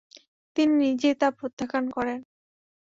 তিনি নিজেই তা প্রত্যাখ্যান করেন।